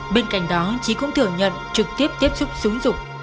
bên cạnh đó trí cũng thừa nhận trực tiếp tiếp xúc xúi dục